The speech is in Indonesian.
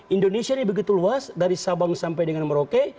indonesia ini begitu luas dari sabang sampai dengan merauke